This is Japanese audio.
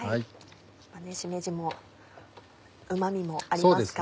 しめじもうまみもありますから。